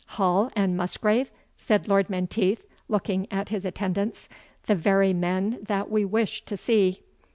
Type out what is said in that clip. "Hall and Musgrave?" said Lord Menteith, looking at his attendants, "the very men that we wished to see."